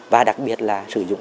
và đặc biệt là sử dụng